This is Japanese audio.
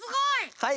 はい。